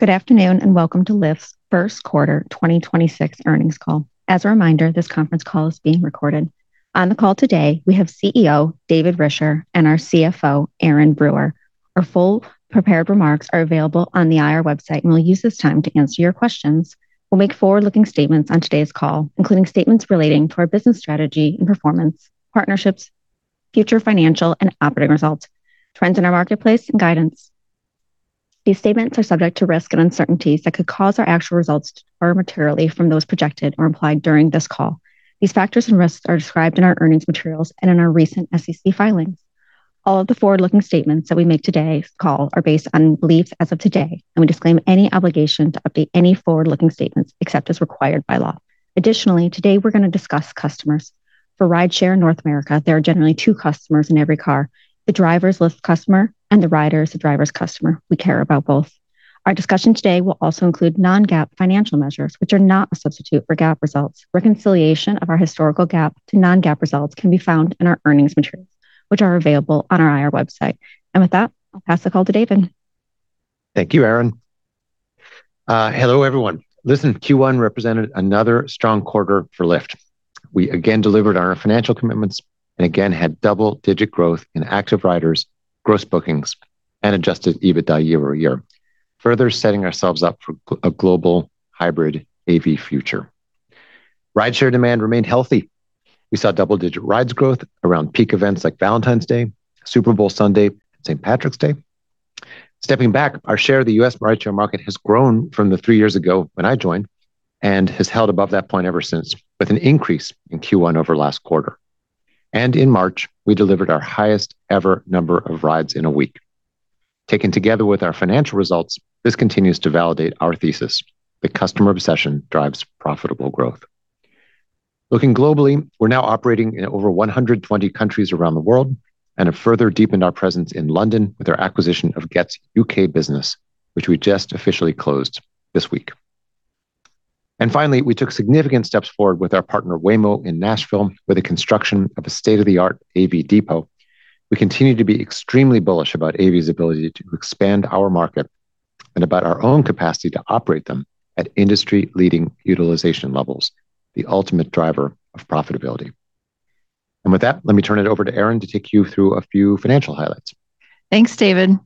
Good afternoon, and welcome to Lyft's first quarter 2026 earnings call. As a reminder, this conference call is being recorded. On the call today, we have Chief Executive Officer, David Risher, and our Chief Financial Officer, Erin Brewer. Our full prepared remarks are available on the IR website, and we'll use this time to answer your questions. We'll make forward-looking statements on today's call, including statements relating to our business strategy and performance, partnerships, future financial and operating results, trends in our marketplace, and guidance. These statements are subject to risk and uncertainties that could cause our actual results to differ materially from those projected or implied during this call. These factors and risks are described in our earnings materials and in our recent SEC filings. All of the forward-looking statements that we make today's call are based on beliefs as of today, and we disclaim any obligation to update any forward-looking statements except as required by law. Additionally, today we're going to discuss customers. For rideshare in North America, there are generally two customers in every car, the driver's Lyft customer and the rider is the driver's customer. We care about both. Our discussion today will also include non-GAAP financial measures, which are not a substitute for GAAP results. Reconciliation of our historical GAAP to non-GAAP results can be found in our earnings materials, which are available on our IR website. With that, I'll pass the call to David. Thank you, Erin. Hello, everyone. Listen, Q1 represented another strong quarter for Lyft. We again delivered on our financial commitments and again had double-digit growth in active riders, gross bookings, and adjusted EBITDA year-over-year, further setting ourselves up for a global hybrid AV future. Rideshare demand remained healthy. We saw double-digit rides growth around peak events like Valentine's Day, Super Bowl Sunday, St. Patrick's Day. Stepping back, our share of the U.S. rideshare market has grown from the three years ago when I joined, and has held above that point ever since, with an increase in Q1 over last quarter. In March, we delivered our highest ever number of rides in a week. Taken together with our financial results, this continues to validate our thesis that customer obsession drives profitable growth. Looking globally, we're now operating in over 120 countries around the world and have further deepened our presence in London with our acquisition of Gett's U.K. business, which we just officially closed this week. Finally, we took significant steps forward with our partner Waymo in Nashville with the construction of a state-of-the-art AV depot. We continue to be extremely bullish about AV's ability to expand our market and about our own capacity to operate them at industry-leading utilization levels, the ultimate driver of profitability. With that, let me turn it over to Erin to take you through a few financial highlights. Thanks, David.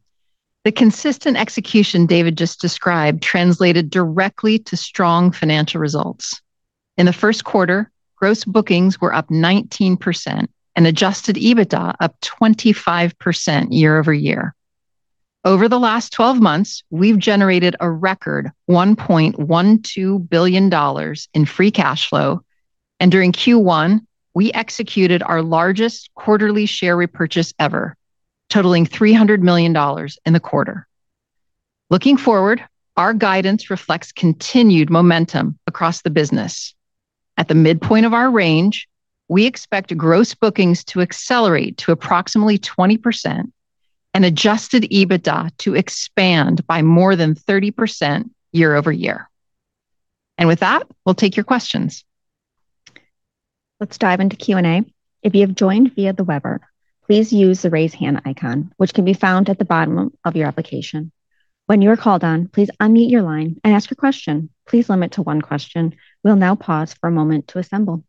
The consistent execution David just described translated directly to strong financial results. In the first quarter, gross bookings were up 19% and adjusted EBITDA up 25% year-over-year. Over the last 12 months, we've generated a record $1.12 billion in free cash flow, and during Q1, we executed our largest quarterly share repurchase ever, totaling $300 million in the quarter. Looking forward, our guidance reflects continued momentum across the business. At the midpoint of our range, we expect gross bookings to accelerate to approximately 20% and adjusted EBITDA to expand by more than 30% year-over-year. With that, we'll take your questions. Let's dive into Q&A. If you have joined via the Webex, please use the Raise Hand icon, which can be found at the bottom of your application. When you are called on, please unmute your line and ask your question. Please limit to one question. We'll now pause for a moment to assemble.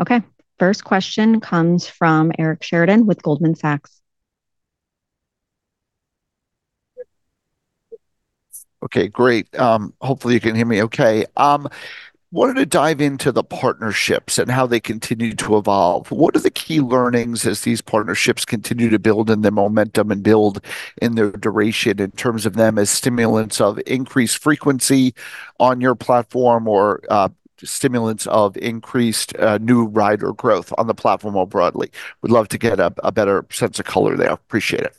Okay, first question comes from Eric Sheridan with Goldman Sachs. Okay, great. Hopefully you can hear me okay. wanted to dive into the partnerships and how they continue to evolve. What are the key learnings as these partnerships continue to build in their momentum and build in their duration in terms of them as stimulants of increased frequency on your platform or, stimulants of increased new rider growth on the platform more broadly? Would love to get a better sense of color there. Appreciate it.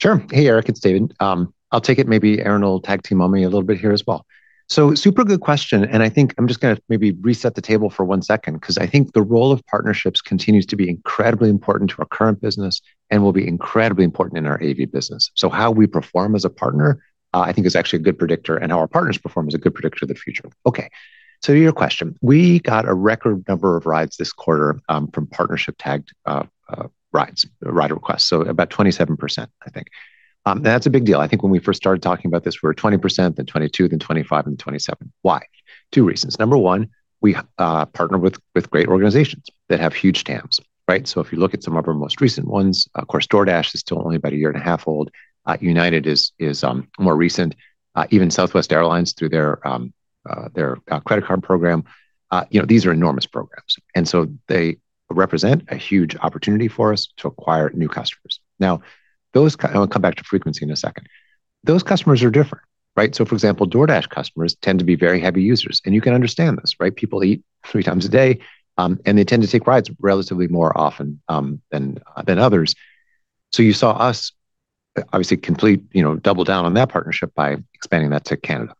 Sure. Hey, Eric, it's David. I'll take it, maybe Erin will tag team on me a little bit here as well. Super good question, and I think I'm just gonna maybe reset the table for 1-second because I think the role of partnerships continues to be incredibly important to our current business and will be incredibly important in our AV business. How we perform as a partner, I think is actually a good predictor and how our partners perform is a good predictor of the future. Okay, to your question. We got a record number of rides this quarter, from partnership tagged rides, rider requests, about 27%, I think. That's a big deal. I think when we first started talking about this, we were at 20%, then 22%, then 25%, then 27%. Why? two reasons. Number one, we partner with great organizations that have huge TAMs, right? If you look at some of our most recent ones, of course, DoorDash is still only about a year and a half old. United is more recent. Even Southwest Airlines through their credit card program. You know, these are enormous programs, they represent a huge opportunity for us to acquire new customers. And we'll come back to frequency in a second. Those customers are different, right? For example, DoorDash customers tend to be very heavy users, and you can understand this, right? People eat three times a day, and they tend to take rides relatively more often than others. You saw us obviously complete, you know, double down on that partnership by expanding that to Canada.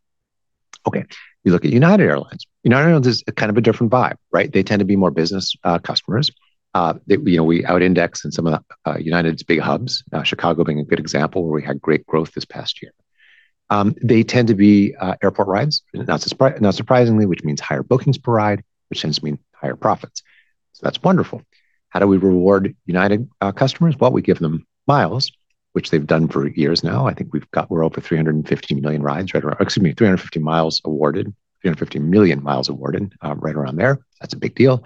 You look at United Airlines. United Airlines is kind of a different vibe, right? They tend to be more business customers. They, you know, we out index in some of the United's big hubs, Chicago being a good example, where we had great growth this past year. They tend to be airport rides, not surprisingly, which means higher bookings per ride, which tends to mean higher profits. That's wonderful. How do we reward United customers? We give them miles, which they've done for years now. I think we're over 350 million rides, right around Excuse me, 350 mi awarded. 350 million mi awarded, right around there. That's a big deal.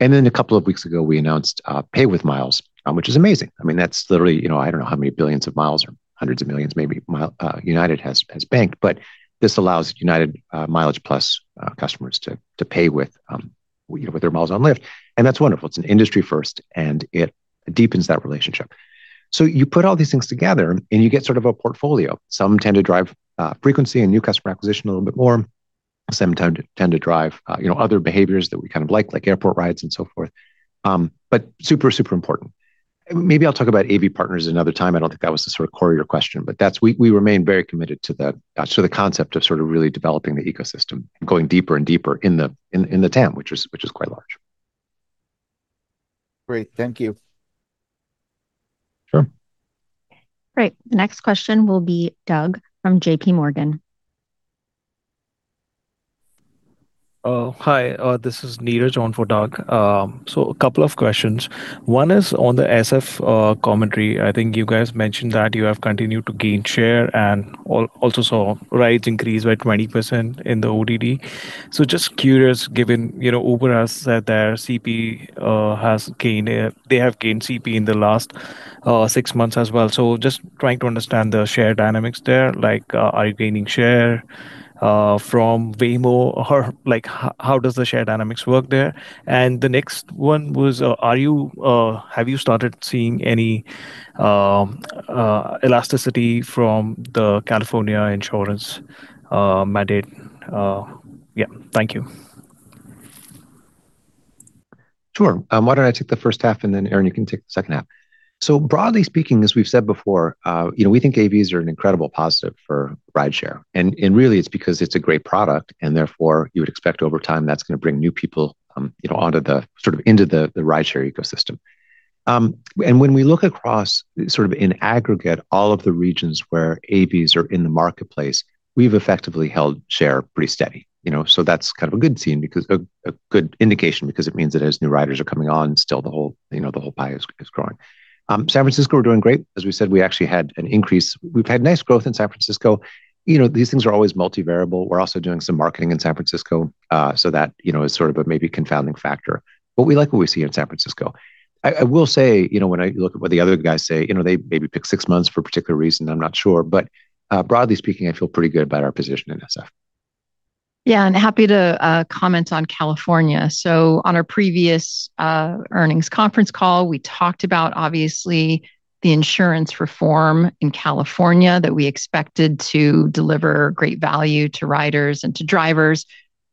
A couple of weeks ago, we announced Pay with Miles, which is amazing. I mean, that's literally, you know, I don't know how many billions of miles or hundreds of millions maybe United has banked, but this allows United, MileagePlus, customers to pay with, you know, with their miles on Lyft. That's wonderful. It's an industry first, and it deepens that relationship. You put all these things together and you get sort of a portfolio. Some tend to drive frequency and new customer acquisition a little bit more. Some tend to drive, you know, other behaviors that we kind of like airport rides and so forth. Super, super important. Maybe I'll talk about AV partners another time. I don't think that was the sort of core of your question, but We remain very committed to the sort of concept of sort of really developing the ecosystem, going deeper and deeper in the TAM, which is quite large. Great. Thank you. Sure. Great. Next question will be Doug from JPMorgan. Hi, this is Neeraj on for Doug. A couple of questions. One is on the SF commentary. I think you guys mentioned that you have continued to gain share and also saw rides increase by 20% in the ODD. Just curious, given, you know, Uber has said their CP They have gained CP in the last six months as well. Just trying to understand the share dynamics there. Like, are you gaining share from Waymo? Or, like, how does the share dynamics work there? The next one was, are you, have you started seeing any elasticity from the California insurance mandate? Yeah. Thank you. Sure. Why don't I take the first half, and then Erin, you can take the second half. Broadly speaking, as we've said before, you know, we think AVs are an incredible positive for rideshare. Really it's because it's a great product, and therefore you would expect over time that's gonna bring new people, you know, onto the sort of into the rideshare ecosystem. When we look across sort of in aggregate all of the regions where AVs are in the marketplace, we've effectively held share pretty steady, you know. That's kind of a good scene because a good indication because it means that as new riders are coming on, still the whole, you know, the whole pie is growing. San Francisco, we're doing great. As we said, we actually had an increase. We've had nice growth in San Francisco. You know, these things are always multi-variable. We're also doing some marketing in San Francisco, so that, you know, is sort of a maybe confounding factor. We like what we see in San Francisco. I will say, you know, when I look at what the other guys say, you know, they maybe pick six months for a particular reason, I'm not sure. Broadly speaking, I feel pretty good about our position in SF. Yeah. Happy to comment on California. On our previous earnings conference call, we talked about obviously the insurance reform in California that we expected to deliver great value to riders and to drivers.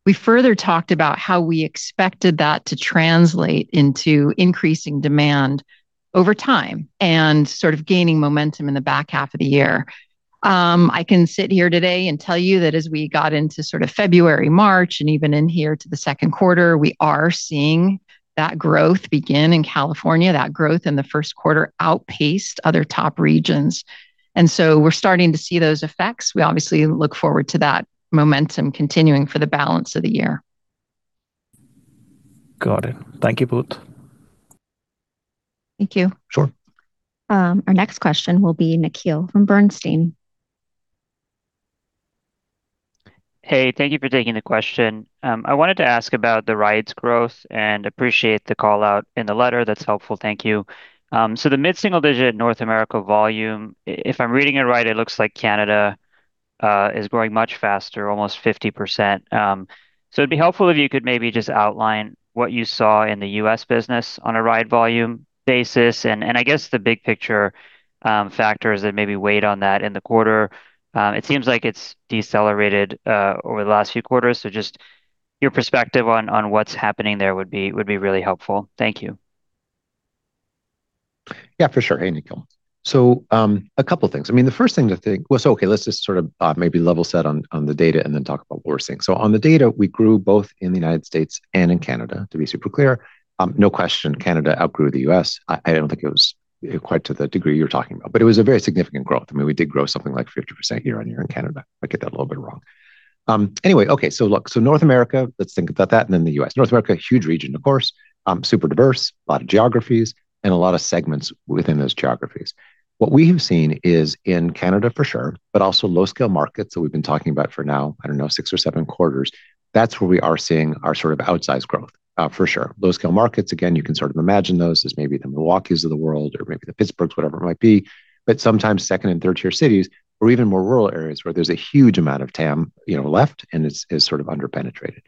We further talked about how we expected that to translate into increasing demand over time and sort of gaining momentum in the back half of the year. I can sit here today and tell you that as we got into sort of February, March, and even in here to the second quarter, we are seeing that growth begin in California. That growth in the first quarter outpaced other top regions. We're starting to see those effects. We obviously look forward to that momentum continuing for the balance of the year. Got it. Thank you both. Thank you. Sure. Our next question will be Nikhil from Bernstein. Hey, thank you for taking the question. I wanted to ask about the rides growth and appreciate the call out in the letter. That's helpful. Thank you. The mid-single digit North America volume, if I'm reading it right, it looks like Canada is growing much faster, almost 50%. It'd be helpful if you could maybe just outline what you saw in the U.S. business on a ride volume basis, and I guess the big picture factors that maybe weighed on that in the quarter. It seems like it's decelerated over the last few quarters, just your perspective on what's happening there would be really helpful. Thank you. Yeah, for sure. Hey, Nikhil. A couple things. I mean, let's just sort of maybe level set on the data and then talk about what we're seeing. On the data, we grew both in the U.S. and in Canada, to be super clear. No question Canada outgrew the U.S. I don't think it was quite to the degree you're talking about, but it was a very significant growth. I mean, we did grow something like 50% year-over-year in Canada. Might get that a little bit wrong. North America, let's think about that, and then the U.S. North America, huge region, of course. Super diverse, lot of geographies, and a lot of segments within those geographies. What we have seen is in Canada for sure, but also low-scale markets that we've been talking about for now, I don't know, six or seven quarters, that's where we are seeing our sort of outsized growth for sure. Low-scale markets, again, you can sort of imagine those as maybe the Milwaukees of the world or maybe the Pittsburghs, whatever it might be. Sometimes second and third-tier cities or even more rural areas where there's a huge amount of TAM, you know, left and it's sort of under-penetrated.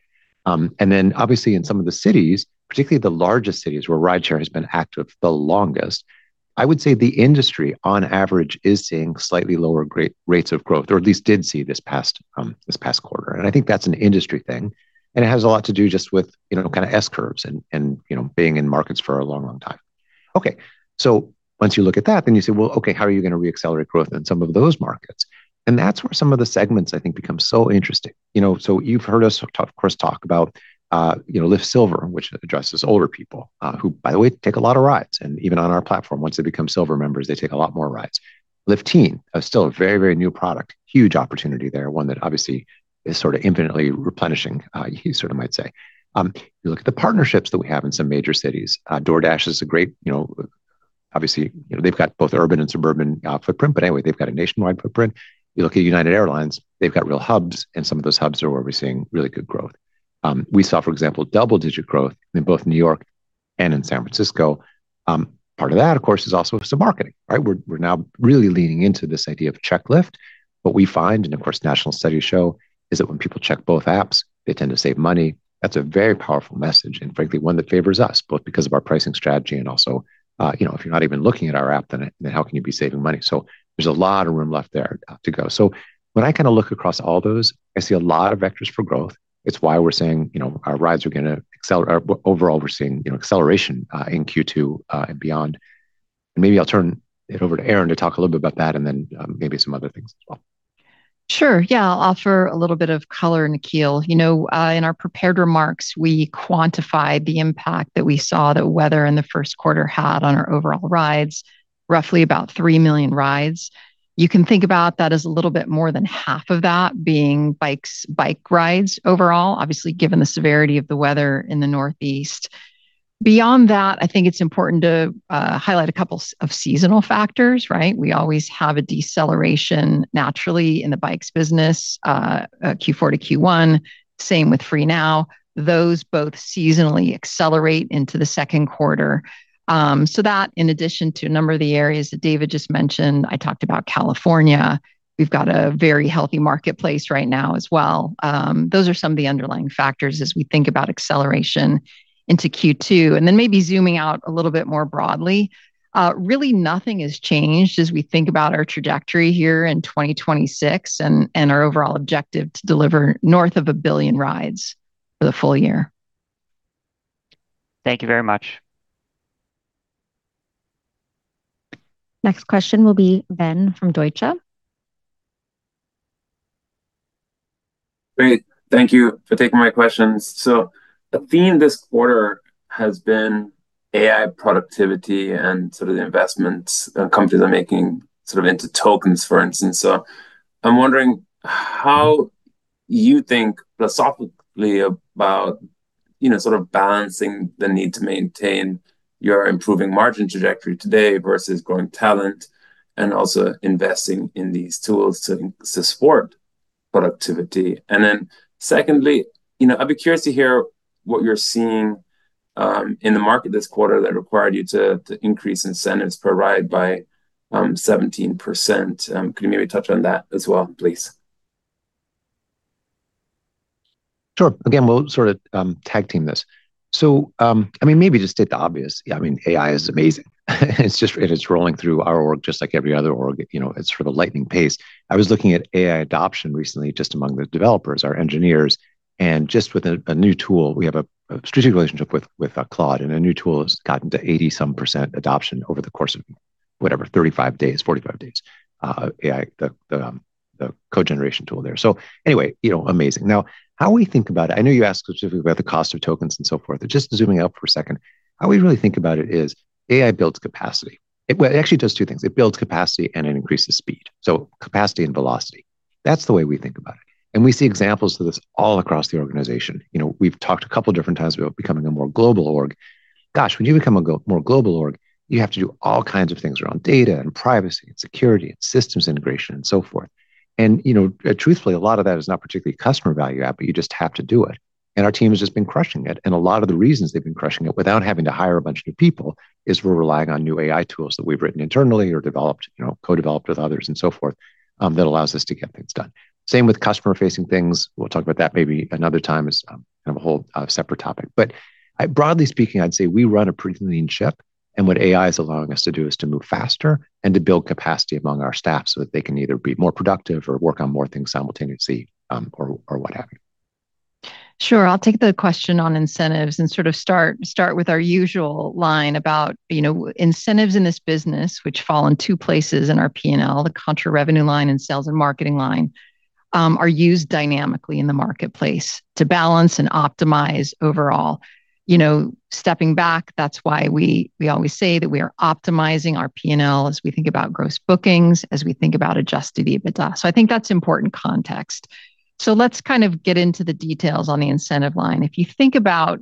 Obviously in some of the cities, particularly the largest cities where rideshare has been active the longest, I would say the industry on average is seeing slightly lower rates of growth, or at least did see this past quarter. I think that's an industry thing, and it has a lot to do just with, you know, kind of S-curves and, you know, being in markets for a long, long time. Once you look at that, then you say, well, okay, how are you gonna re-accelerate growth in some of those markets? That's where some of the segments I think become so interesting. You've heard us talk, of course, about, you know, Lyft Silver, which addresses older people, who by the way, take a lot of rides. Even on our platform, once they become Silver members, they take a lot more rides. Lyft Teen are still a very, very new product. Huge opportunity there, one that obviously is sort of infinitely replenishing, you sort of might say. You look at the partnerships that we have in some major cities. DoorDash is a great, you know, Obviously, you know, they've got both urban and suburban footprint, but anyway, they've got a nationwide footprint. You look at United Airlines, they've got real hubs, and some of those hubs are where we're seeing really good growth. We saw, for example, double-digit growth in both New York and in San Francisco. Part of that, of course, is also some marketing, right? We're now really leaning into this idea of Check Lyft. What we find, and of course national studies show, is that when people check both apps, they tend to save money. That's a very powerful message, and frankly, one that favors us, both because of our pricing strategy and also, you know, if you're not even looking at our app, then how can you be saving money? There's a lot of room left there to go. When I kind of look across all those, I see a lot of vectors for growth. It's why we're saying, you know, our rides are gonna overall we're seeing, you know, acceleration in Q2 and beyond. Maybe I'll turn it over to Erin to talk a little bit about that, and then maybe some other things as well. Sure. Yeah, I'll offer a little bit of color, Nikhil. You know, in our prepared remarks, we quantified the impact that we saw the weather in the first quarter had on our overall rides, roughly about three million rides. You can think about that as a little bit more than half of that being bikes, bike rides overall, obviously given the severity of the weather in the Northeast. Beyond that, I think it's important to highlight a couple of seasonal factors, right? We always have a deceleration naturally in the bikes business, Q4 to Q1. Same with Freenow. Those both seasonally accelerate into the second quarter. That in addition to a number of the areas that David just mentioned, I talked about California. We've got a very healthy marketplace right now as well. Those are some of the underlying factors as we think about acceleration into Q2. Maybe zooming out a little bit more broadly, really nothing has changed as we think about our trajectory here in 2026 and our overall objective to deliver north of a billion rides for the full year. Thank you very much. Next question will be Ben from Deutsche. Great. Thank you for taking my questions. The theme this quarter has been AI productivity and the investments that companies are making into tokens, for instance. I'm wondering how you think philosophically about, you know, balancing the need to maintain your improving margin trajectory today versus growing talent and also investing in these tools to support productivity. Secondly, you know, I'd be curious to hear what you're seeing in the market this quarter that required you to increase incentives per ride by 17%. Could you maybe touch on that as well, please? Sure. Again, we'll sort of tag team this. I mean, maybe just state the obvious. Yeah, I mean, AI is amazing. It's just and it's rolling through our org just like every other org. You know, it's sort of lightning pace. I was looking at AI adoption recently just among the developers, our engineers, and just with a new tool, we have a strategic relationship with Claude, and a new tool has gotten to 80%-some adoption over the course of, whatever, 35 days, 45 days. AI, the code generation tool there. Anyway, you know, amazing. How we think about it, I know you asked specifically about the cost of tokens and so forth, just zooming out for a second, how we really think about it is AI builds capacity. It actually does two things. It builds capacity, it increases speed. Capacity and velocity. That's the way we think about it. We see examples of this all across the organization. You know, we've talked a couple different times about becoming a more global org. Gosh, when you become a more global org, you have to do all kinds of things around data and privacy and security and systems integration and so forth. You know, truthfully, a lot of that is not particularly customer value add, you just have to do it, our team has just been crushing it. A lot of the reasons they've been crushing it without having to hire a bunch of new people is we're relying on new AI tools that we've written internally or developed, you know, co-developed with others and so forth, that allows us to get things done. Same with customer-facing things. We'll talk about that maybe another time. It's kind of a whole separate topic. Broadly speaking, I'd say we run a pretty lean ship, and what AI is allowing us to do is to move faster and to build capacity among our staff so that they can either be more productive or work on more things simultaneously, or what have you. Sure. I'll take the question on incentives and sort of start with our usual line about, you know, incentives in this business, which fall in two places in our P&L. The contra revenue line and sales and marketing line are used dynamically in the marketplace to balance and optimize overall. You know, stepping back, that's why we always say that we are optimizing our P&L as we think about Gross Bookings, as we think about adjusted EBITDA. I think that's important context. Let's kind of get into the details on the incentive line. If you think about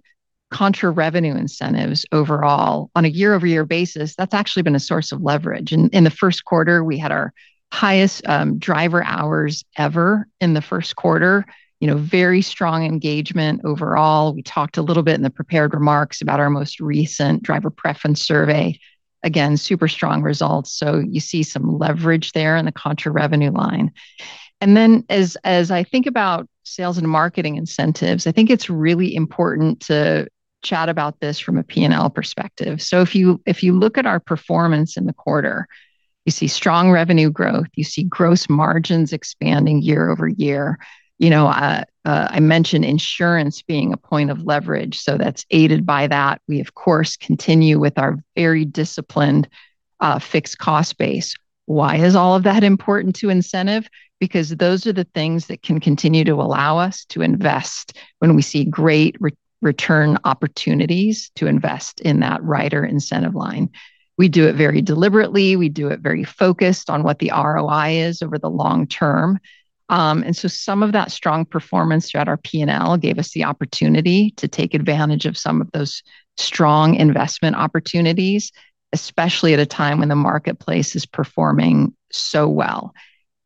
contra-revenue incentives overall, on a year-over-year basis, that's actually been a source of leverage. In the first quarter, we had our highest driver hours ever in the first quarter. You know, very strong engagement overall. We talked a little bit in the prepared remarks about our most recent driver preference survey. Again, super strong results. You see some leverage there in the contra revenue line. As I think about sales and marketing incentives, I think it's really important to chat about this from a P&L perspective. If you look at our performance in the quarter, you see strong revenue growth. You see gross margins expanding year-over-year. You know, I mentioned insurance being a point of leverage, so that's aided by that. We, of course, continue with our very disciplined fixed cost base. Why is all of that important to incentive? Because those are the things that can continue to allow us to invest when we see great return opportunities to invest in that rider incentive line. We do it very deliberately. We do it very focused on what the ROI is over the long term. Some of that strong performance throughout our P&L gave us the opportunity to take advantage of some of those strong investment opportunities, especially at a time when the marketplace is performing so well.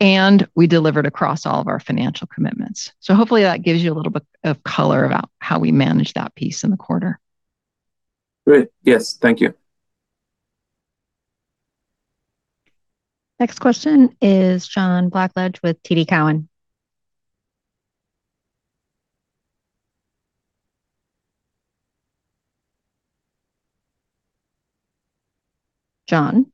We delivered across all of our financial commitments. Hopefully that gives you a little bit of color about how we manage that piece in the quarter. Great. Yes. Thank you. Next question is John Blackledge with TD Cowen. John?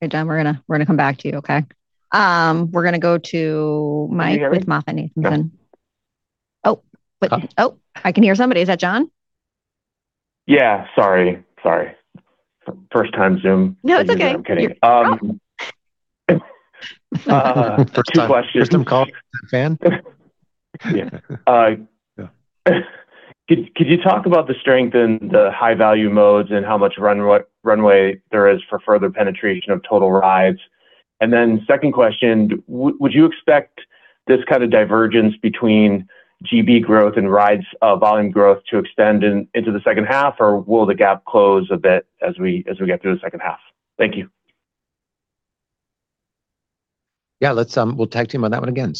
Okay, John, we're gonna come back to you, okay? We're gonna go to Mike with MoffettNathanson. Can you hear me? Okay. Oh, wait. Okay. Oh, I can hear somebody. Is that John? Yeah, sorry. Sorry. First time Zoom. No, it's okay. I'm kidding. Oh Two questions. First time Zoom call fan. Yeah. Could you talk about the strength in the high value modes and how much runway there is for further penetration of total rides? Second question, would you expect this kind of divergence between GB growth and rides, volume growth to extend into the second half? Will the gap close a bit as we get through the second half? Thank you. Let's we'll tag team on that one again.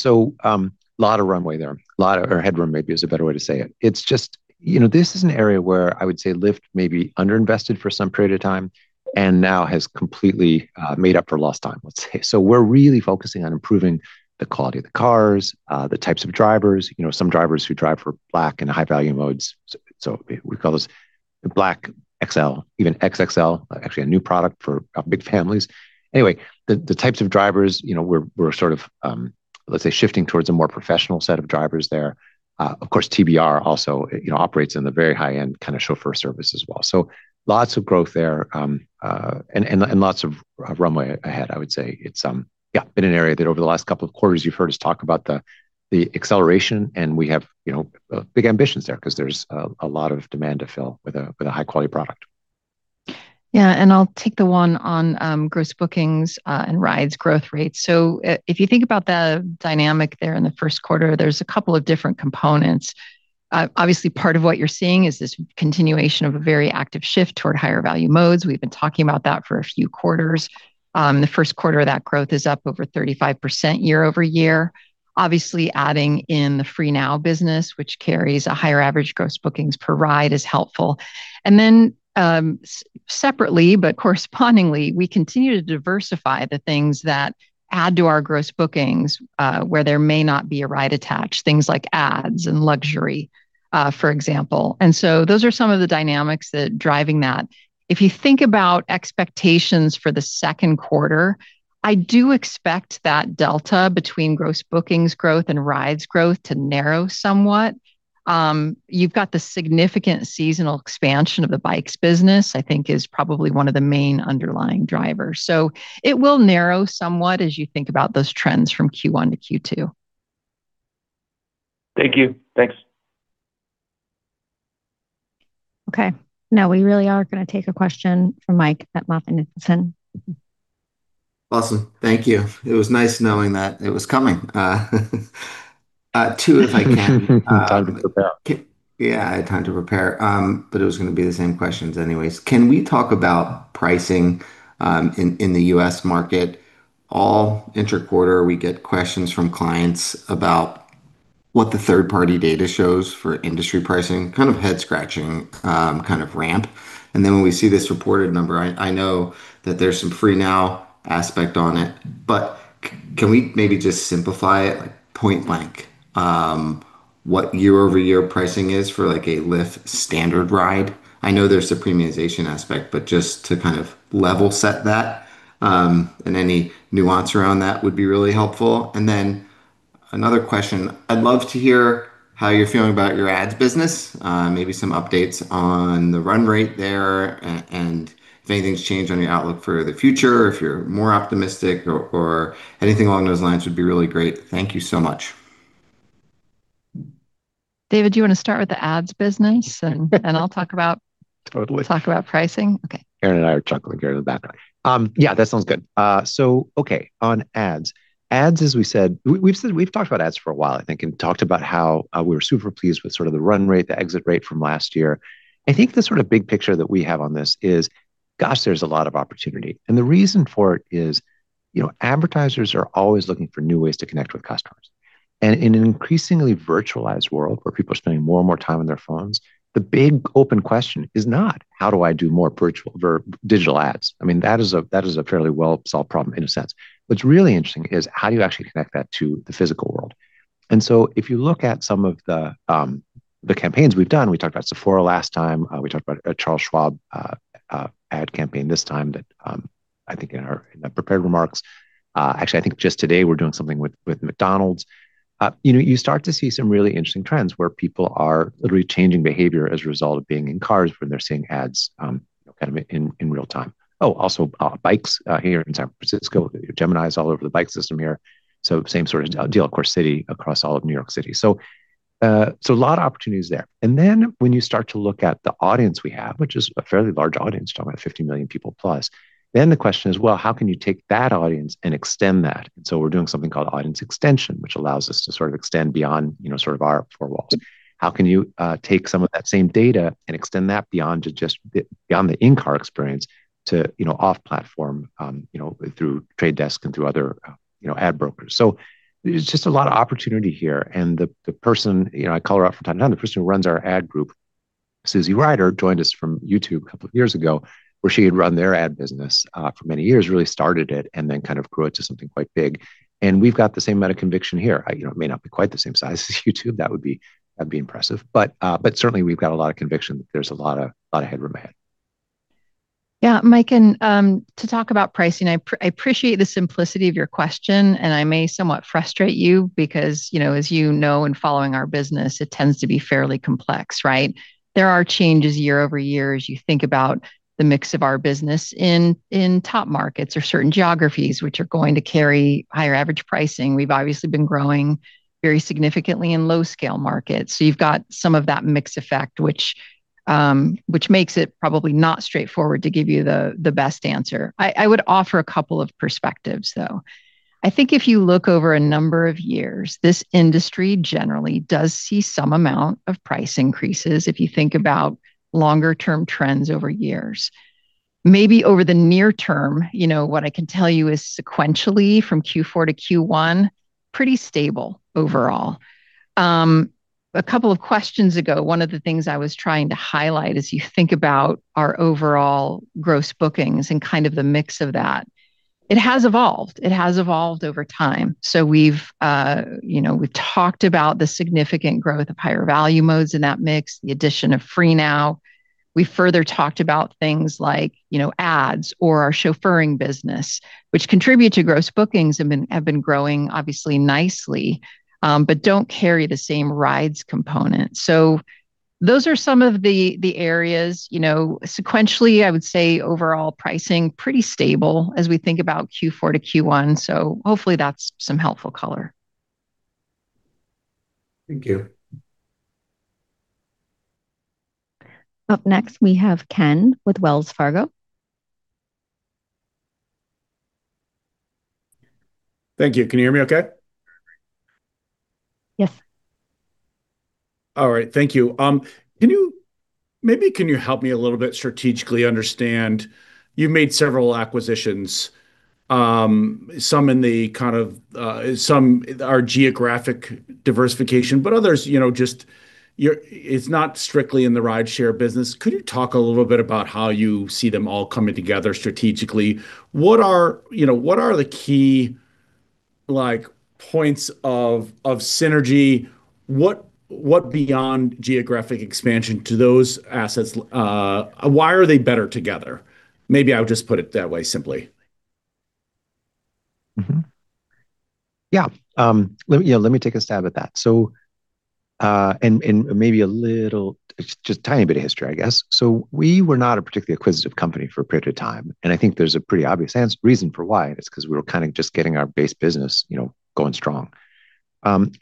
Lot of runway there, lot of or headroom maybe is a better way to say it. It's just, you know, this is an area where I would say Lyft maybe underinvested for some period of time, and now has completely made up for lost time, let's say. We're really focusing on improving the quality of the cars, the types of drivers. You know, some drivers who drive for Black and high value modes, we call those the Black XL, even XXL, actually a new product for big families. Anyway, the types of drivers, you know, we're sort of, let's say shifting towards a more professional set of drivers there. Of course, TBR also, you know, operates in the very high-end kind of chauffeur service as well. Lots of growth there, and lots of runway ahead, I would say. It's been an area that over the last couple of quarters you've heard us talk about the acceleration, and we have, you know, big ambitions there, 'cause there's a lot of demand to fill with a high quality product. Yeah, I'll take the one on gross bookings and rides growth rates. If you think about the dynamic there in the first quarter, there's a couple of different components. Obviously part of what you're seeing is this continuation of a very active shift toward higher value modes. We've been talking about that for a few quarters. The first quarter of that growth is up over 35% year-over-year. Obviously adding in the Freenow business, which carries a higher average gross bookings per ride is helpful. Then, separately, but correspondingly, we continue to diversify the things that add to our gross bookings, where there may not be a ride attached, things like ads and luxury, for example. Those are some of the dynamics that driving that. If you think about expectations for the second quarter, I do expect that delta between Gross Bookings growth and rides growth to narrow somewhat. You've got the significant seasonal expansion of the bikes business, I think is probably one of the main underlying drivers. It will narrow somewhat as you think about those trends from Q1 to Q2. Thank you. Thanks. Okay. Now we really are gonna take a question from Mike at MoffettNathanson. Awesome. Thank you. It was nice knowing that it was coming. two if I can. Time to prepare. Yeah, I had time to prepare. It was gonna be the same questions anyways. Can we talk about pricing in the U.S. market? All inter quarter we get questions from clients about what the third party data shows for industry pricing, kind of head-scratching, kind of ramp. When we see this reported number, I know that there's some Freenow aspect on it, but can we maybe just simplify it, like point blank, what year-over-year pricing is for like a Lyft standard ride? I know there's a premiumization aspect, but just to kind of level set that, and any nuance around that would be really helpful. Another question. I'd love to hear how you're feeling about your ads business. Maybe some updates on the run rate there and if anything's changed on your outlook for the future, if you're more optimistic or anything along those lines would be really great. Thank you so much. David, do you wanna start with the ads business? Totally Talk about pricing? Okay. Erin and I are chuckling here at that. Yeah, that sounds good. Okay, on ads. Ads, as we said, we've said we've talked about ads for a while I think, and talked about how, we were super pleased with sort of the run rate, the exit rate from last year. I think the sort of big picture that we have on this is, gosh, there's a lot of opportunity. The reason for it is, you know, advertisers are always looking for new ways to connect with customers. In an increasingly virtualized world where people are spending more and more time on their phones, the big open question is not, how do I do more virtual digital ads? I mean, that is a fairly well solved problem in a sense. What's really interesting is how do you actually connect that to the physical world? If you look at some of the campaigns we've done, we talked about Sephora last time, we talked about a Charles Schwab ad campaign this time that I think in our, in the prepared remarks. Actually, I think just today we're doing something with McDonald's. You know, you start to see some really interesting trends where people are literally changing behavior as a result of being in cars when they're seeing ads, kind of in real time. Oh, also, bikes here in San Francisco. Gemini's all over the bike system here, so same sort of deal. Of course, city, across all of New York City. A lot of opportunities there. When you start to look at the audience we have, which is a fairly large audience, talking about 50 million people plus, the question is, well, how can you take that audience and extend that? We're doing something called Audience Extension, which allows us to sort of extend beyond, you know, sort of our four walls. How can you take some of that same data and extend that beyond the in-car experience to, you know, off platform, you know, through The Trade Desk and through other, you know, ad brokers. There's just a lot of opportunity here. The, the person, you know, I call her up from time to time, the person who runs our ad group, Suzie Reider joined us from YouTube years ago, where she had run their ad business for many years, really started it and then kind of grew it to something quite big. We've got the same amount of conviction here. You know, it may not be quite the same size as YouTube. That would be impressive. Certainly we've got a lot of conviction. There's a lot of headroom ahead. Mike, to talk about pricing, I appreciate the simplicity of your question, and I may somewhat frustrate you because, you know, as you know in following our business, it tends to be fairly complex, right? There are changes year-over-year as you think about the mix of our business in top markets or certain geographies which are going to carry higher average pricing. We've obviously been growing very significantly in low-scale markets. You've got some of that mix effect, which makes it probably not straightforward to give you the best answer. I would offer a couple of perspectives, though. I think if you look over a number of years, this industry generally does see some amount of price increases if you think about longer term trends over years. Maybe over the near term, you know, what I can tell you is sequentially from Q4 to Q1, pretty stable overall. A couple of questions ago, one of the things I was trying to highlight as you think about our overall Gross Bookings and kind of the mix of that, it has evolved. It has evolved over time. We've, you know, we've talked about the significant growth of higher value modes in that mix, the addition of Freenow. We further talked about things like, you know, ads or our chauffeuring business, which contribute to Gross Bookings and have been growing obviously nicely, but don't carry the same rides component. Those are some of the areas. You know, sequentially, I would say overall pricing pretty stable as we think about Q4 to Q1, hopefully that's some helpful color. Thank you. Up next, we have Ken with Wells Fargo. Thank you. Can you hear me okay? Yes. All right. Thank you. Can you maybe can you help me a little bit strategically understand, you've made several acquisitions, some in the kind of, some are geographic diversification, but others, you know, just it's not strictly in the rideshare business. Could you talk a little bit about how you see them all coming together strategically? What are, you know, what are the key, like, points of synergy? What beyond geographic expansion do those assets why are they better together? Maybe I would just put it that way simply. Yeah. Let me, you know, take a stab at that. Maybe a little, just tiny bit of history, I guess. We were not a particularly acquisitive company for a period of time, I think there's a pretty obvious reason for why, it's 'cause we were kinda just getting our base business, you know, going strong.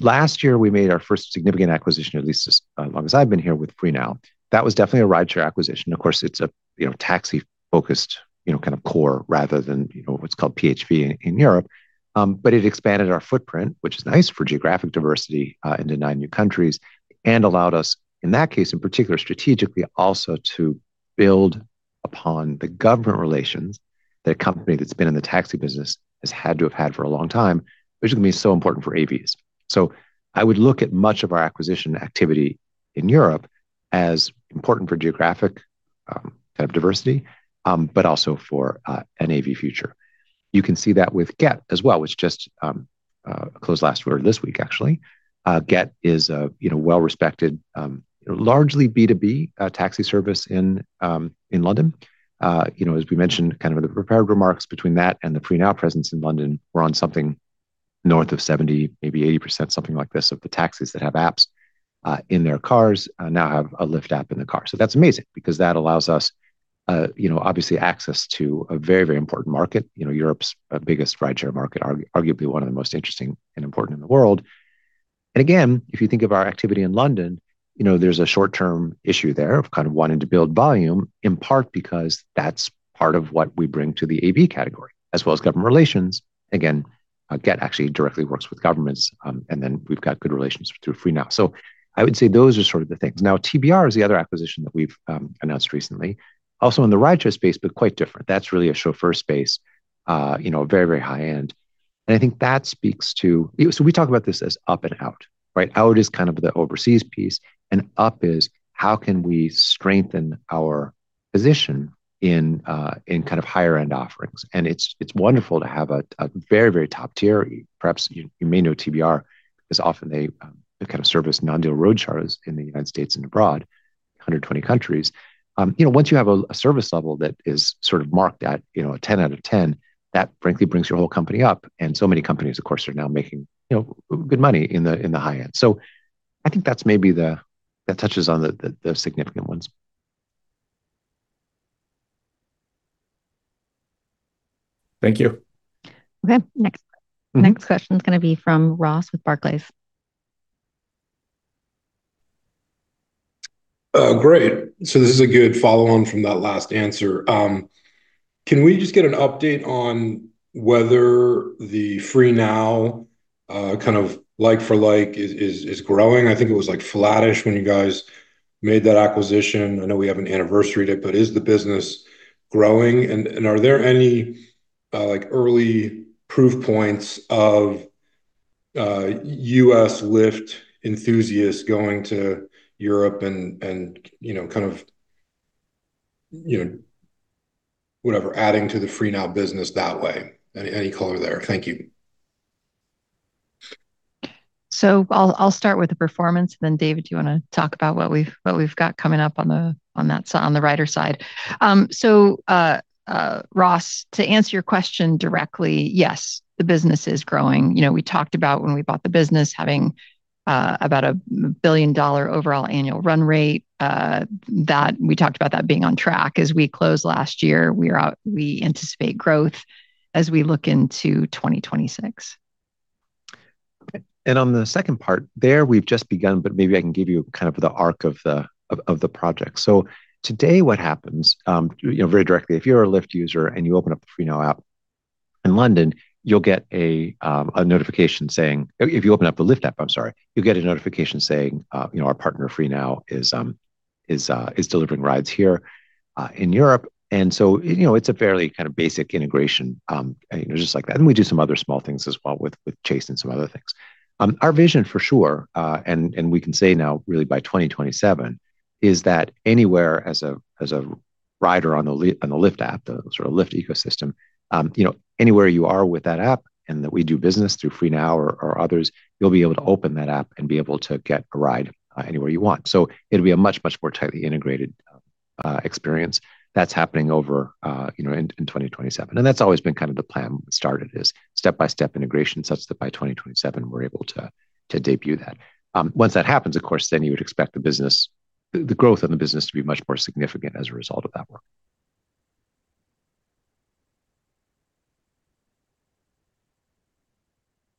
Last year, we made our first significant acquisition, at least as long as I've been here, with Freenow. That was definitely a rideshare acquisition. Of course, it's a, you know, taxi-focused, you know, kind of core rather than, you know, what's called PHV in Europe. It expanded our footprint, which is nice for geographic diversity, into nine new countries, and allowed us, in that case in particular strategically, also to build upon the government relations that a company that's been in the taxi business has had to have had for a long time, which is gonna be so important for AVs. I would look at much of our acquisition activity in Europe as important for geographic kind of diversity, but also for an AV future. You can see that with Gett as well, which just closed last week or this week actually. Gett is a, you know, well-respected, largely B2B taxi service in London. You know, as we mentioned kind of in the prepared remarks, between that and the FreeNow presence in London, we're on something north of 70%, maybe 80%, something like this, of the taxis that have apps in their cars, now have a Lyft app in the car. That's amazing because that allows us, you know, obviously access to a very, very important market, you know, Europe's biggest rideshare market, arguably one of the most interesting and important in the world. Again, if you think of our activity in London, you know, there's a short-term issue there of kind of wanting to build volume, in part because that's part of what we bring to the AV category, as well as government relations. Again, Gett actually directly works with governments, and then we've got good relations through FreeNow. I would say those are sort of the things. TBR is the other acquisition that we've announced recently, also in the rideshare space, but quite different. That's really a chauffeur space, you know, very, very high-end. I think that speaks to So we talk about this as up and out, right? Out is kind of the overseas piece, up is how can we strengthen our position in kind of higher end offerings. It's wonderful to have a very, very top tier. Perhaps you may know TBR, 'cause often they kind of service non-deal roadshows in the U.S. and abroad, 120 countries. you know, once you have a service level that is sort of marked at, you know, a 10 out of 10, that frankly brings your whole company up, and so many companies, of course, are now making, you know, good money in the high end. I think that's maybe that touches on the significant ones. Thank you. Okay, next. Next question's gonna be from Ross with Barclays. Great. This is a good follow on from that last answer. Can we just get an update on whether the FreeNow kind of like for like is growing? I think it was like flattish when you guys made that acquisition. I know we haven't anniversary-ed it, is the business growing? Are there any like early proof points of U.S. Lyft enthusiasts going to Europe and, you know, kind of, you know, whatever, adding to the FreeNow business that way. Any color there? Thank you. I'll start with the performance, and then David, do you wanna talk about what we've got coming up on the rider side? Ross, to answer your question directly, yes, the business is growing. You know, we talked about when we bought the business having about a $1 billion overall annual run rate, that we talked about that being on track as we closed last year. We anticipate growth as we look into 2026. On the second part, there we've just begun, but maybe I can give you kind of the arc of the project. Today what happens, you know, very directly, if you're a Lyft user and you open up the Freenow app in London, you'll get a notification saying If you open up the Lyft app, I'm sorry. You'll get a notification saying, you know, our partner Freenow is delivering rides here in Europe. You know, it's a fairly kind of basic integration. You know, just like that. We do some other small things as well with Chase and some other things. Our vision for sure, and we can say now really by 2027, is that anywhere as a, as a rider on the Lyft app, the sort of Lyft ecosystem, you know, anywhere you are with that app and that we do business through Freenow or others, you'll be able to open that app and be able to get a ride anywhere you want. It'll be a much, much more tightly integrated experience that's happening over, you know, in 2027. That's always been kind of the plan when it started is step-by-step integration such that by 2027 we're able to debut that. Once that happens, of course, then you would expect the business, the growth of the business to be much more significant as a result of that work.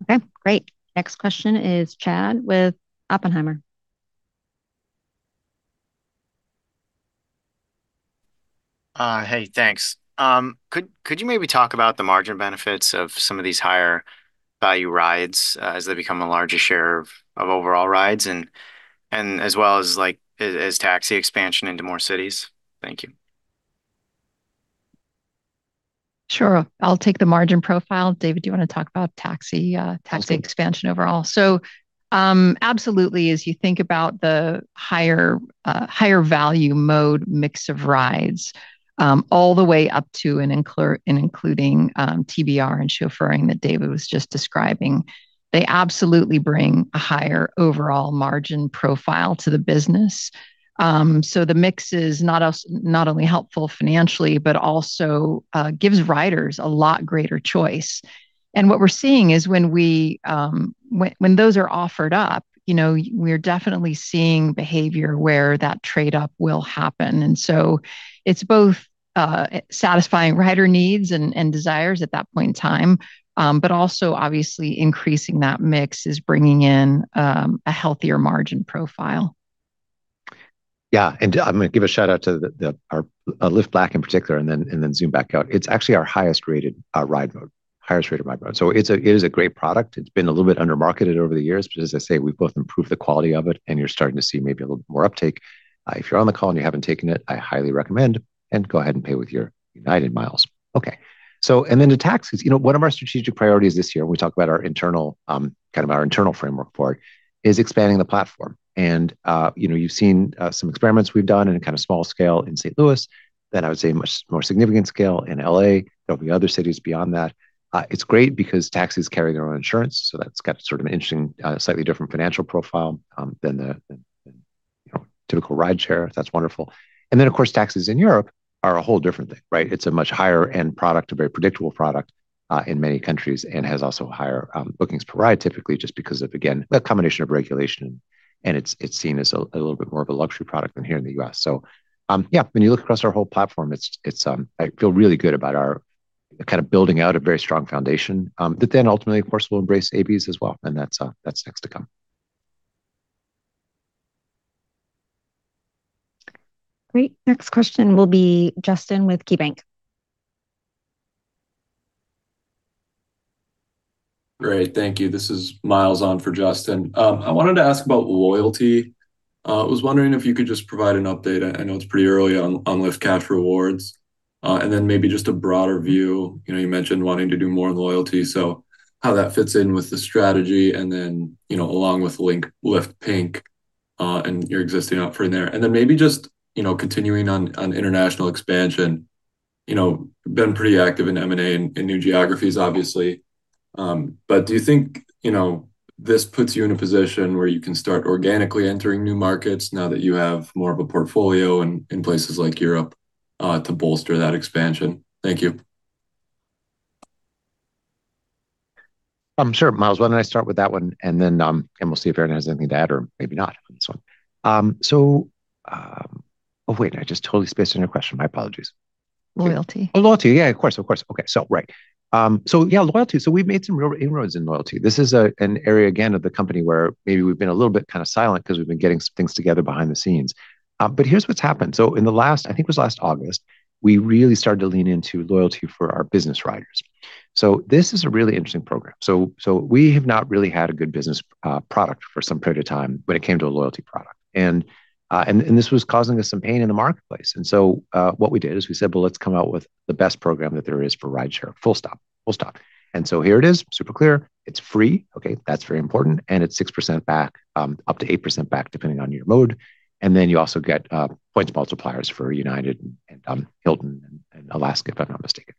Okay, great. Next question is Chad with Oppenheimer. Hey, thanks. Could you maybe talk about the margin benefits of some of these higher value rides, as they become a larger share of overall rides and as well as taxi expansion into more cities? Thank you. Sure. I'll take the margin profile. David, do you want to talk about taxi expansion overall? Absolutely as you think about the higher value mode mix of rides, all the way up to and including TBR and chauffeuring that David was just describing, they absolutely bring a higher overall margin profile to the business. The mix is not only helpful financially, but also gives riders a lot greater choice. What we're seeing is when we, when those are offered up, you know, we're definitely seeing behavior where that trade-up will happen. It's both satisfying rider needs and desires at that point in time, but also obviously increasing that mix is bringing in a healthier margin profile. Yeah. I'm gonna give a shout-out to our Lyft Black in particular and then zoom back out. It's actually our highest rated ride mode. Highest rated ride mode. It is a great product. It's been a little bit under-marketed over the years, but as I say, we've both improved the quality of it, and you're starting to see maybe a little bit more uptake. If you're on the call and you haven't taken it, I highly recommend, and go ahead and pay with your United miles. Okay. The taxis. You know, one of our strategic priorities this year when we talk about our internal, kind of our internal framework for it, is expanding the platform. You know, you've seen some experiments we've done in a kind of small scale in St. Louis, then I would say much more significant scale in L.A. There'll be other cities beyond that. It's great because taxis carry their own insurance, so that's got sort of an interesting, slightly different financial profile than the, you know, typical rideshare. That's wonderful. Of course, taxis in Europe are a whole different thing, right? It's a much higher end product, a very predictable product in many countries, and has also higher bookings per ride typically just because of, again, the combination of regulation and it's seen as a little bit more of a luxury product than here in the U.S. Yeah, when you look across our whole platform, I feel really good about our kind of building out a very strong foundation, that then ultimately, of course, will embrace AVs as well, and that's next to come. Great. Next question will be Justin with KeyBank. Great. Thank you. This is Miles on for Justin. I wanted to ask about loyalty. I was wondering if you could just provide an update. I know it's pretty early on Lyft Cash Rewards. Maybe just a broader view. You know, you mentioned wanting to do more in loyalty, so how that fits in with the strategy and then, you know, along with Lyft Pink, and your existing offering there. Maybe just, you know, continuing on international expansion. You know, been pretty active in M&A in new geographies obviously. Do you think, you know, this puts you in a position where you can start organically entering new markets now that you have more of a portfolio in places like Europe, to bolster that expansion? Thank you. Sure, Miles. Why don't I start with that one and then, and we'll see if Erin has anything to add or maybe not on this one. Oh, wait, I just totally spaced on your question. My apologies. Loyalty. Oh, loyalty. Yeah, of course. Of course. Okay. Right. Yeah, loyalty. We've made some real inroads in loyalty. This is a, an area, again, of the company where maybe we've been a little bit kinda silent 'cause we've been getting some things together behind the scenes. Here's what's happened. In the last, I think it was last August, we really started to lean into loyalty for our business riders. This is a really interesting program. We have not really had a good business product for some period of time when it came to a loyalty product. This was causing us some pain in the marketplace. What we did is we said, Well, let's come out with the best program that there is for rideshare. Full stop. Full stop. Here it is, super clear. It's free. Okay, that's very important. It's 6% back, up to 8% back, depending on your mode. You also get points multipliers for United and Hilton and Alaska, if I'm not mistaken.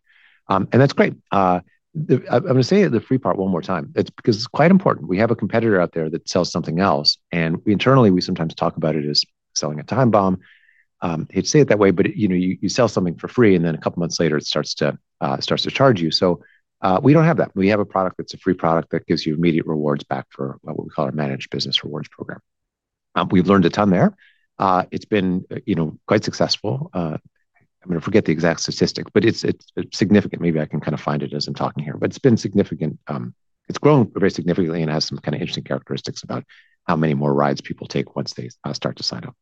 That's great. I'm gonna say the free part one more time. It's because it's quite important. We have a competitor out there that sells something else, we sometimes talk about it as selling a time bomb. Hate to say it that way, you know, you sell something for free and then a couple of months later it starts to, it starts to charge you. We don't have that. We have a product that's a free product that gives you immediate rewards back for what we call our Managed Business Rewards program. We've learned a ton there. It's been, you know, quite successful. I mean, I forget the exact statistic, but it's significant. Maybe I can kind of find it as I'm talking here. It's been significant, it's grown very significantly and has some kind of interesting characteristics about how many more rides people take once they start to sign up.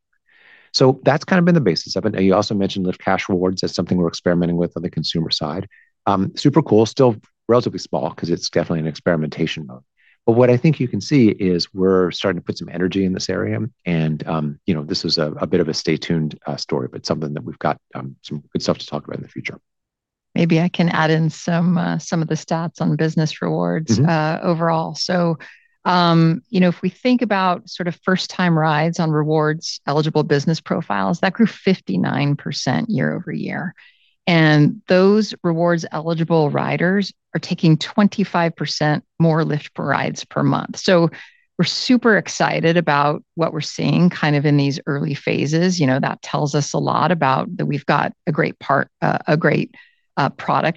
That's kind of been the basis of it. You also mentioned the Cash Rewards as something we're experimenting with on the consumer side. Super cool. Still relatively small, 'cause it's definitely in experimentation mode. What I think you can see is we're starting to put some energy in this area and, you know, this is a bit of a stay tuned story, but something that we've got some good stuff to talk about in the future. Maybe I can add in some of the stats on Business Rewards. Overall. You know, if we think about sort of first time rides on rewards eligible business profiles, that grew 59% year-over-year. Those rewards eligible riders are taking 25% more Lyft rides per month. We're super excited about what we're seeing kind of in these early phases. You know, that tells us a lot about that we've got a great product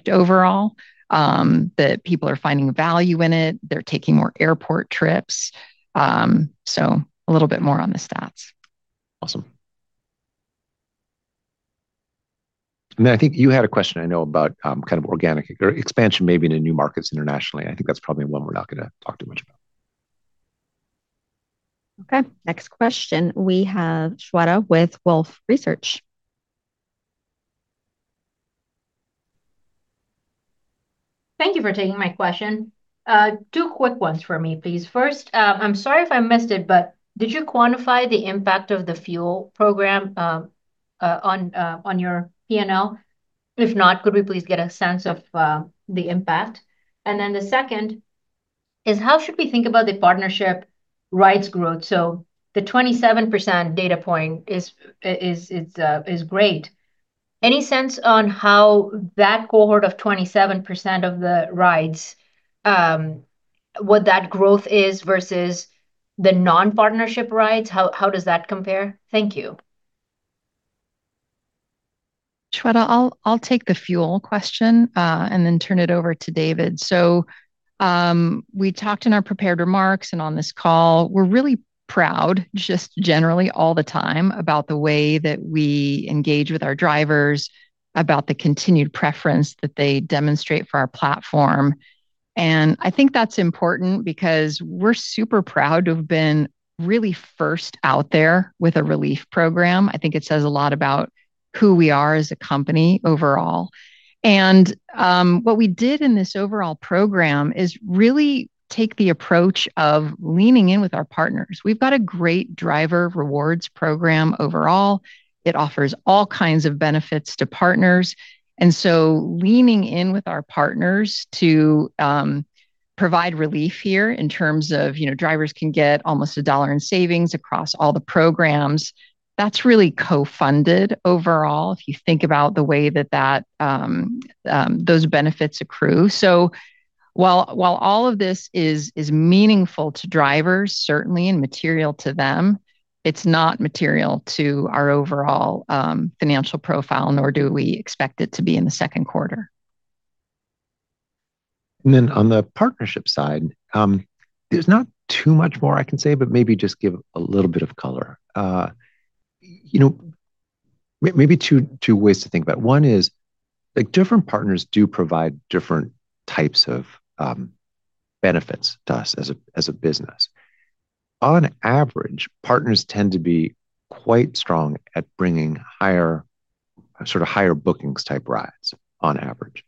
overall. That people are finding value in it. They're taking more airport trips. A little bit more on the stats. Awesome. I think you had a question, I know, about kind of organic or expansion maybe into new markets internationally. I think that's probably one we're not gonna talk too much about. Okay. Next question. We have Shweta with Wolfe Research. Thank you for taking my question. two quick ones for me, please. First, I'm sorry if I missed it, but did you quantify the impact of the fuel program on your P&L? If not, could we please get a sense of the impact? The second is how should we think about the partnership rides growth? The 27% data point is great. Any sense on how that cohort of 27% of the rides, what that growth is versus the non-partnership rides? How does that compare? Thank you. Shweta, I'll take the fuel question, then turn it over to David. We talked in our prepared remarks and on this call, we're really proud just generally all the time about the way that we engage with our drivers, about the continued preference that they demonstrate for our platform. I think that's important because we're super proud to have been really first out there with a relief program. I think it says a lot about who we are as a company overall. What we did in this overall program is really take the approach of leaning in with our partners. We've got a great driver rewards program overall. It offers all kinds of benefits to partners. leaning in with our partners to provide relief here in terms of, you know, drivers can get almost a dollar in savings across all the programs, that's really co-funded overall, if you think about the way that those benefits accrue. While all of this is meaningful to drivers certainly and material to them, it's not material to our overall financial profile, nor do we expect it to be in the second quarter. On the partnership side, there's not too much more I can say, but maybe just give a little bit of color. You know, maybe two ways to think about it. One is, like, different partners do provide different types of benefits to us as a business. On average, partners tend to be quite strong at bringing higher, sort of higher bookings type rides on average.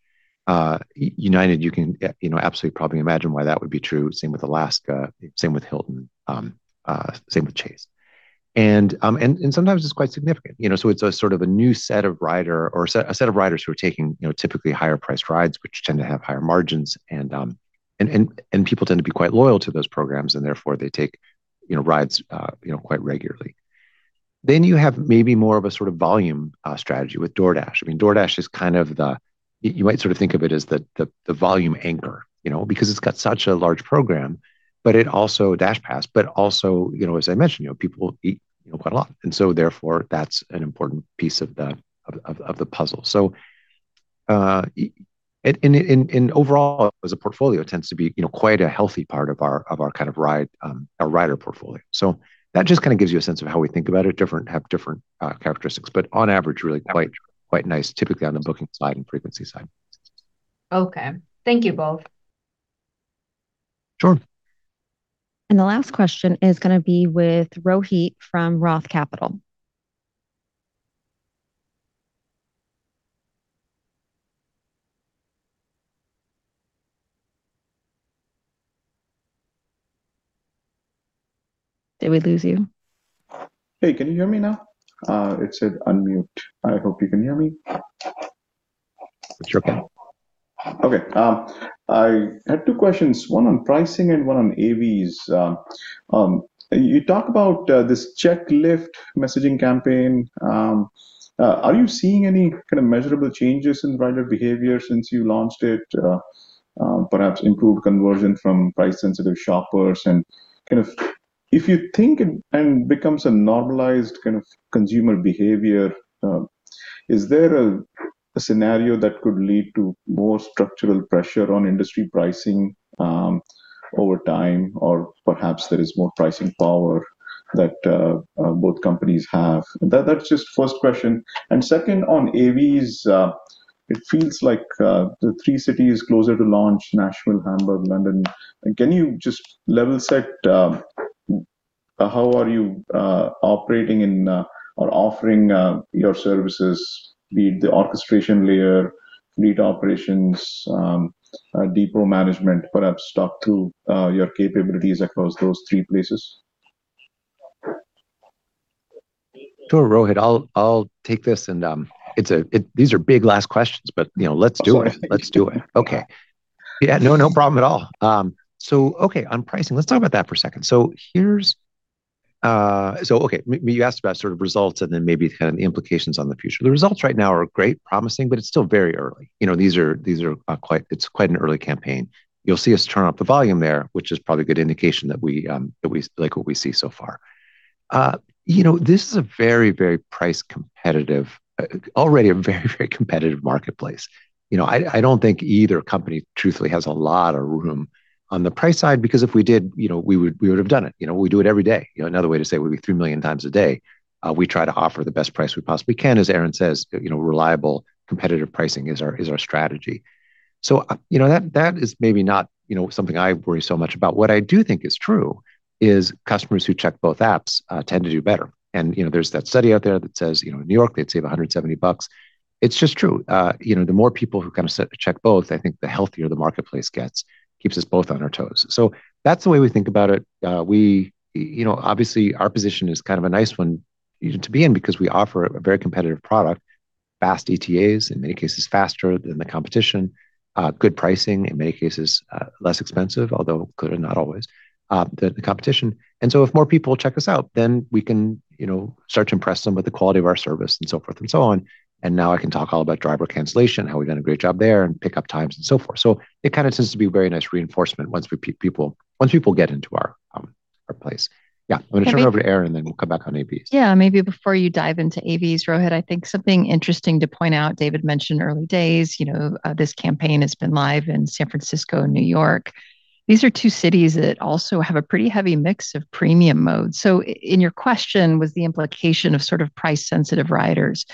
United you can, you know, absolutely probably imagine why that would be true. Same with Alaska, same with Hilton, same with Chase. Sometimes it's quite significant. You know, it's a sort of a new set of rider or a set of riders who are taking, you know, typically higher priced rides, which tend to have higher margins and people tend to be quite loyal to those programs and therefore they take, you know, rides, you know, quite regularly. You have maybe more of a sort of volume strategy with DoorDash. I mean, DoorDash is kind of the, you might sort of think of it as the volume anchor, you know. It's got such a large program, DashPass, but also, you know, as I mentioned, you know, people eat, you know, quite a lot. Therefore, that's an important piece of the puzzle. In and overall as a portfolio tends to be, you know, quite a healthy part of our, of our kind of ride, our rider portfolio. That just kind of gives you a sense of how we think about it. Different have different characteristics, but on average really quite nice typically on the booking side and frequency side. Okay. Thank you both. Sure. The last question is gonna be with Rohit from Roth Capital. Did we lose you? Hey, can you hear me now? It said unmute. I hope you can hear me. It's your go. Okay. I had two questions, one on pricing and one on AVs. You talk about this Check Lyft messaging campaign. Are you seeing any kind of measurable changes in rider behavior since you launched it, perhaps improved conversion from price-sensitive shoppers? If you think and becomes a normalized kind of consumer behavior, is there a scenario that could lead to more structural pressure on industry pricing over time? Or perhaps there is more pricing power that both companies have. That's just first question. Second on AVs, it feels like the three cities closer to launch, Nashville, Hamburg, London. Can you just level set how are you operating in or offering your services, be it the orchestration layer, fleet operations, depot management? Perhaps talk through your capabilities across those three places. Sure, Rohit. I'll take this. These are big last questions, you know, let's do it. Oh, sorry. Let's do it. Yeah. Yeah, no problem at all. Okay, on pricing, let's talk about that for a second. Okay, you asked about sort of results and then maybe kind of the implications on the future. The results right now are great, promising, but it's still very early. You know, these are, it's quite an early campaign. You'll see us turn up the volume there, which is probably a good indication that we like what we see so far. You know, this is a very price competitive, already a very competitive marketplace. You know, I don't think either company truthfully has a lot of room on the price side because if we did, you know, we would've done it. You know, we do it every day. You know, another way to say it would be three million times a day, we try to offer the best price we possibly can. As Erin says, you know, reliable competitive pricing is our strategy. You know, that is maybe not, you know, something I worry so much about. What I do think is true is customers who check both apps tend to do better. You know, there's that study out there that says, you know, in New York they'd save $170. It's just true. You know, the more people who kind of check both, I think the healthier the marketplace gets. Keeps us both on our toes. That's the way we think about it. We, you know, obviously our position is kind of a nice one to be in because we offer a very competitive product. Fast ETAs, in many cases faster than the competition. Good pricing, in many cases, less expensive, although clearly not always, than the competition. If more people check us out, then we can, you know, start to impress them with the quality of our service and so forth and so on. Now I can talk all about driver cancellation, how we've done a great job there, and pickup times and so forth. It kind of tends to be very nice reinforcement once people get into our place. Yeah. I'm gonna turn it over to Erin, and then we'll come back on AVs. Yeah. Maybe before you dive into AVs, Rohit, I think something interesting to point out. David mentioned early days, you know, this campaign has been live in San Francisco and New York. These are two cities that also have a pretty heavy mix of premium modes. In your question was the implication of sort of price-sensitive riders,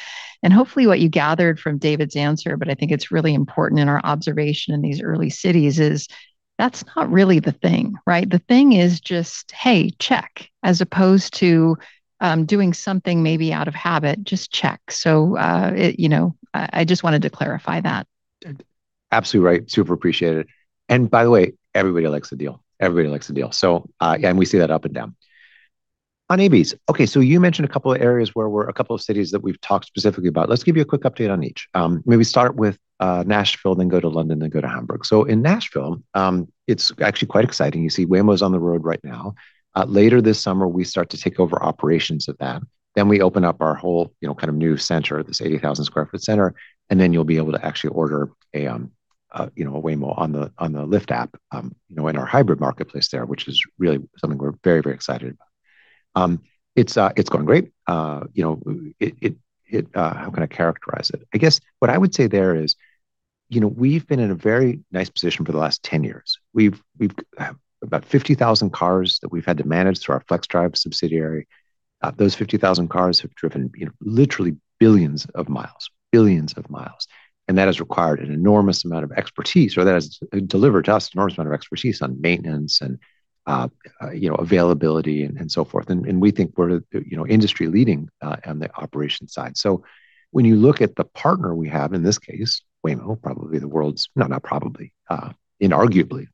and hopefully what you gathered from David's answer, but I think it's really important in our observation in these early cities is that's not really the thing, right? The thing is just, hey, check. As opposed to doing something maybe out of habit, just check. It, you know, I just wanted to clarify that. Absolutely right. Super appreciate it. By the way, everybody likes a deal. Everybody likes a deal. We see that up and down. On AVs. You mentioned a couple of areas, a couple of cities that we've talked specifically about. Let's give you a quick update on each. Maybe start with Nashville, then go to London, then go to Hamburg. In Nashville, it's actually quite exciting. You see Waymo's on the road right now. Later this summer, we start to take over operations of them. We open up our whole, kind of new center, this 80,000 sq ft center, and then you'll be able to actually order a Waymo on the Lyft app, in our hybrid marketplace there, which is really something we're very, very excited about. It's going great. How can I characterize it? I guess what I would say there is, we've been in a very nice position for the last 10 years. We've about 50,000 cars that we've had to manage through our Flexdrive subsidiary. Those 50,000 cars have driven, literally billions of miles. Billions of miles. That has required an enormous amount of expertise, or that has delivered to us an enormous amount of expertise on maintenance, you know, availability, and so forth. We think we're the, you know, industry leading on the operations side. When you look at the partner we have, in this case, Waymo, inarguably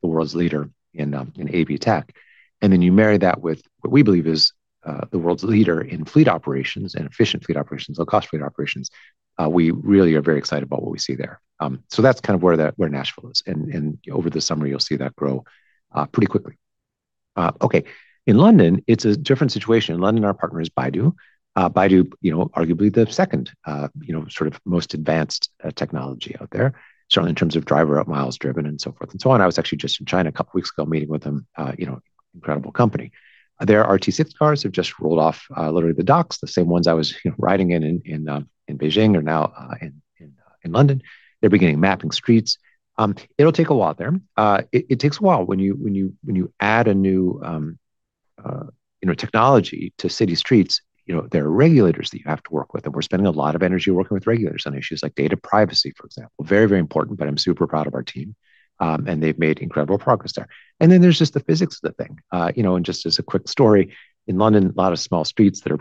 the world's leader in AV tech. You marry that with what we believe is the world's leader in fleet operations and efficient fleet operations, low-cost fleet operations, we really are very excited about what we see there. That's kind of where Nashville is. Over the summer you'll see that grow pretty quickly. In London, it's a different situation. In London, our partner is Baidu. Baidu, arguably the second sort of most advanced technology out there, certainly in terms of driver out, miles driven, and so forth and so on. I was actually just in China a couple weeks ago meeting with them. Incredible company. Their RT6 cars have just rolled off literally the docks. The same ones I was riding in Beijing are now in London. They're beginning mapping streets. It'll take a while there. It takes a while when you add a new technology to city streets. There are regulators that you have to work with, and we're spending a lot of energy working with regulators on issues like data privacy, for example. Very, very important, but I'm super proud of our team. They've made incredible progress there. Then there's just the physics of the thing. You know, just as a quick story, in London, a lot of small streets that are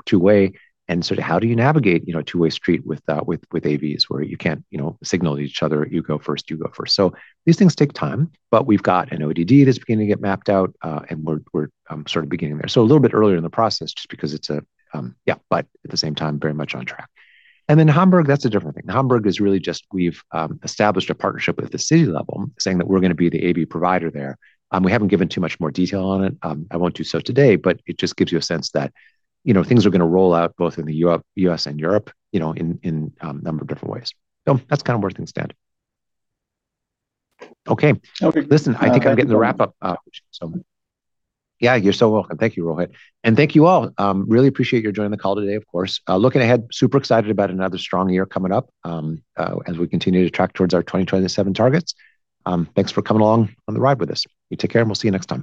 two-way, how do you navigate, you know, a two-way street with AVs where you can't, you know, signal each other, you go first, you go first? These things take time, but we've got an ODD that's beginning to get mapped out, we're sort of beginning there. At the same time, very much on track. Then Hamburg, that's a different thing. Hamburg is really just we've established a partnership with the city level saying that we're gonna be the AV provider there. We haven't given too much more detail on it, I won't do so today, it just gives you a sense that, you know, things are gonna roll out both in the U.S. and Europe, you know, in a number of different ways. That's kind of where things stand. Okay. Okay. Listen, I think I'm getting the wrap up. Yeah, you're so welcome. Thank you, Rohit. Thank you all. Really appreciate your joining the call today, of course. Looking ahead, super excited about another strong year coming up, as we continue to track towards our 2027 targets. Thanks for coming along on the ride with us. You take care. We'll see you next time.